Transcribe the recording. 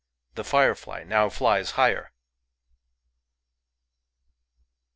"] J the firefly now flies higher